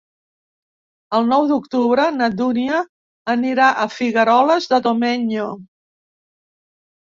El nou d'octubre na Dúnia anirà a Figueroles de Domenyo.